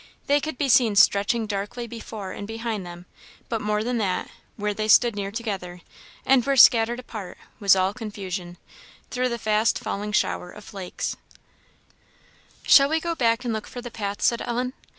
They could be seen stretching darkly before and behind them; but more than that where they stood near together, and where scattered apart, was all confusion, through the fast falling shower of flakes. "In a few minutes he came in sight." "Shall we go back and look for the path?" said Ellen.